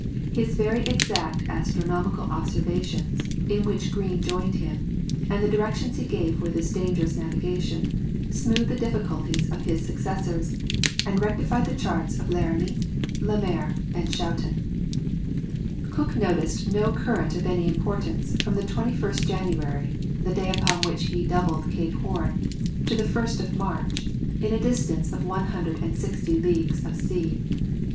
His very exact astronomical observations, in which Green joined him, and the directions he gave for this dangerous navigation, smoothed the difficulties of his successors, and rectified the charts of L'Hermite, Lemaire, and Schouten. [Illustration: Captain James Cook. (Fac simile of early engraving.)] Cook noticed no current of any importance from the 21st January, the day upon which he doubled Cape Horn, to the 1st of March, in a distance of one hundred and sixty leagues of sea.